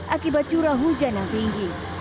akibat curah hujan yang tinggi